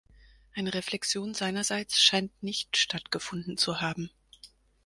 Eine Reflexion seinerseits scheint nicht stattgefunden zu haben.